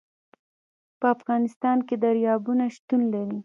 په افغانستان کې دریابونه شتون لري.